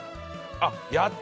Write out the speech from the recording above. あっ。